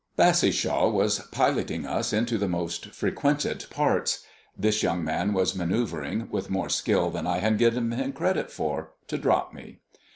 Bassishaw was piloting us into the most frequented parts. This young man was manœuvring, with more skill than I had given him credit for, to drop me.